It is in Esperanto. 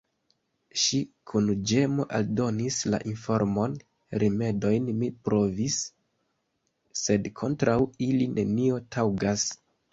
Ŝi kun ĝemo aldonis la informon: "Rimedojn mi provis, sed kontraŭ ili, nenio taŭgas."